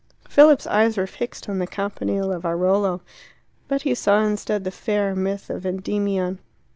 Philip's eyes were fixed on the Campanile of Airolo. But he saw instead the fair myth of Endymion.